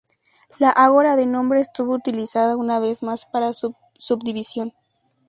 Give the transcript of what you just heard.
La ágora de nombre estuvo utilizada una vez más para su subdivisión.